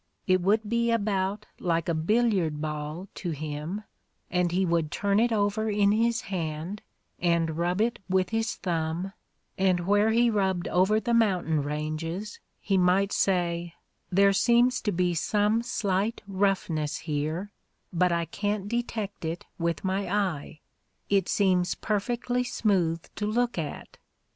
It would be about like a billiard ball to him, and he would turn it over in his hand and rub it with his thumb, and where he rubbed over the mountain ranges he might say, 'There seems to be some slight roughness here, but I can't detect it with my eye; it seems perfectly smooth to look at.'